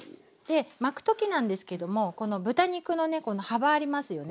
巻く時なんですけどもこの豚肉のねこの幅ありますよね。